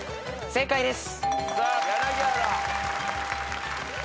正解です。